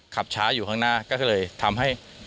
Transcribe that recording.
ขับช้าอยู่ข้างหน้าก็เลยทำให้